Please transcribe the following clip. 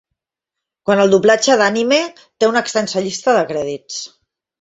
Quant al doblatge d'anime, té una extensa llista de crèdits.